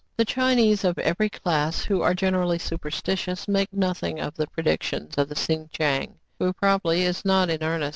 The Chinese of every class, who are generally superstitious, make noth ing of the predictions of the sien cheng, who, probably is not in earnest.